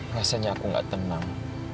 rasanya aku gak tenang